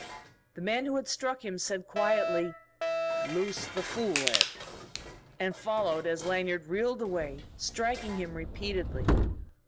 The man who had struck him said quietly, "Loose the fool, Ed," and followed as Lanyard reeled away, striking him repeatedly.